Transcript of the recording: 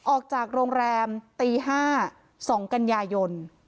ออกจากโรงแรมตีห้าสองกันยายน